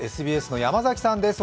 ＳＢＳの山崎さんです。